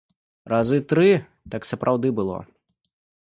Разы тры так сапраўды было.